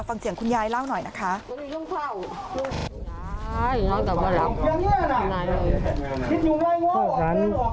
ฟังเสียงคุณยายเล่าหน่อยนะคะ